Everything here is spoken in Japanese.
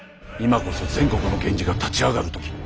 今こそ全国の源氏が立ち上がる時。